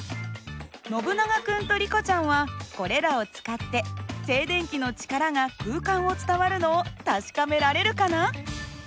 ノブナガ君とリコちゃんはこれらを使って静電気の力が空間を伝わるのを確かめられるかな？